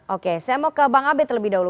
oke saya mau ke bang abed terlebih dahulu